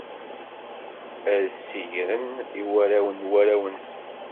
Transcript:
Ad d-ssigren i warraw n warraw-nsen.